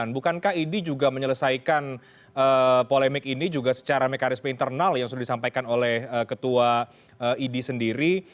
bukankah idi juga menyelesaikan polemik ini juga secara mekanisme internal yang sudah disampaikan oleh ketua idi sendiri